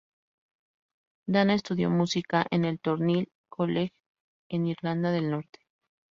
Dana estudió música en el Thornhill College, en Irlanda del Norte.